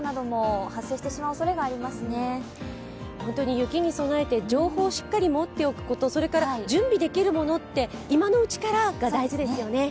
雪に備えて情報をしっかり持っておくことそれから準備できるものは今のうちからが大事ですよね。